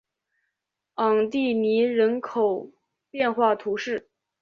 昂蒂尼人口变化图示